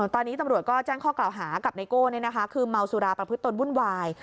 ตอนนี้ตำรวจก็แจ้งข้อกล่าวหากับไนโก้คือเมาสุราประพฤติตนวุ่นวาย